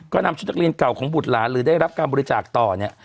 ก็นำชุดนักเรียนเก่าของบุตรหลานหรือได้รับการบริจาคต่อเนี่ย